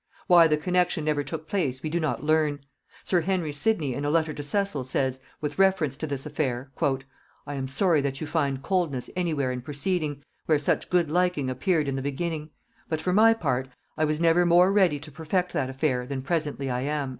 Why the connexion never took place we do not learn: sir Henry Sidney in a letter to Cecil says, with reference to this affair; "I am sorry that you find coldness any where in proceeding, where such good liking appeared in the beginning; but, for my part, I was never more ready to perfect that affair than presently I am."